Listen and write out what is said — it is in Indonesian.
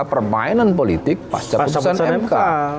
permainan politik pasca putusan mk